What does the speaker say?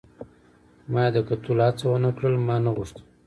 مې د کتلو هڅه هم و نه کړل، ما نه غوښتل.